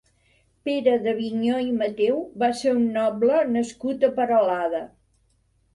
Pere d'Avinyó i Mateu va ser un noble nascut a Peralada.